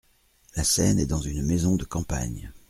La scène est dans une maison de campagne.